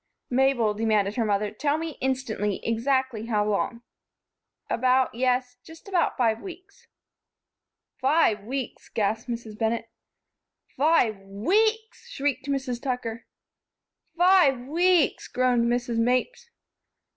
"Mabel," demanded her mother, "tell me, instantly, exactly how long?" "About yes, just about five weeks." "Five weeks!" gasped Mrs. Bennett. "Five weeks!" shrieked Mrs. Tucker. "Five weeks!" groaned Mrs. Mapes.